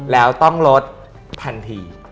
แล้วต้องลดทันที